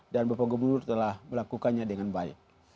dan bapak gubernur telah melakukannya dengan baik